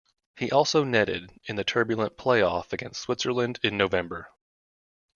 He also netted in the turbulent playoff against Switzerland, in November.